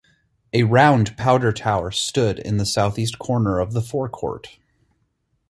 A round powder tower stood in the southeast corner of the forecourt.